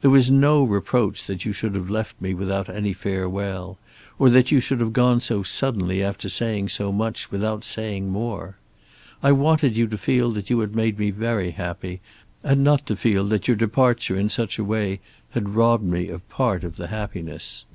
There was no reproach that you should have left me without any farewell, or that you should have gone so suddenly, after saying so much, without saying more. I wanted you to feel that you had made me very happy, and not to feel that your departure in such a way had robbed me of part of the happiness.